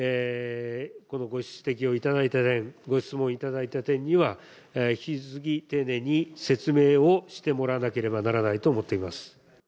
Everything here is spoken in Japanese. このご指摘をいただいた点、ご質問いただいた点には、引き続き丁寧に説明をしてもらわなければならないと思っています。